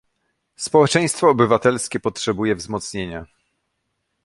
Społeczeństwo obywatelskie potrzebuje wzmocnienia